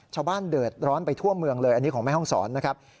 ชาวบ้านเดือดร้อนไปทั่วเมืองเลยอันนี้ของแม่ห้องศรนะครับ